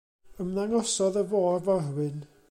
Ymddangosodd y fôr-forwyn.